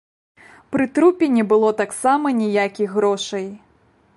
Пры трупе не было таксама ніякіх і грошай.